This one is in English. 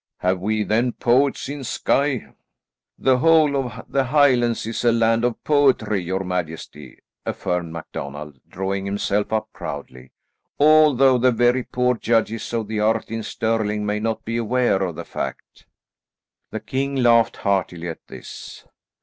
"Have we then poets in Skye?" "The whole of the Highlands is a land of poetry, your majesty," affirmed MacDonald drawing himself up proudly, "although the very poor judges of the art in Stirling may not be aware of the fact." The king laughed heartily at this.